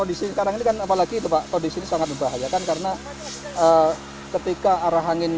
disini karena ini kan apalagi itu pak kondisi sangat membahayakan karena ketika arah angin